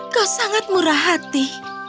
kau sangat murah hati